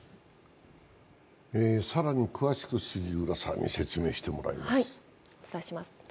更に詳しく杉浦さんに説明してもらいます。